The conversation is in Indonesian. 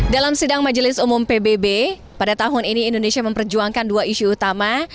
dalam sidang majelis umum pbb pada tahun ini indonesia memperjuangkan dua isu utama